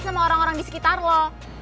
sama orang orang di sekitar lo